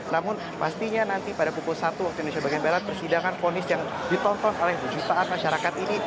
namun pastinya nanti pada pukul satu waktu indonesia bagian barat persidangan ponis yang ditonton oleh jutaan masyarakat ini